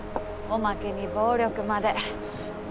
おまけに暴力まで。